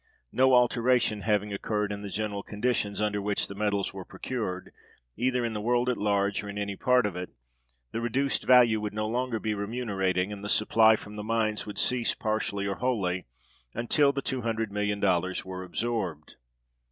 No alteration having occurred in the general conditions under which the metals were procured, either in the world at large or in any part of it, the reduced value would no longer be remunerating, and the supply from the mines would cease partially or wholly, until the $200,000,000 were absorbed.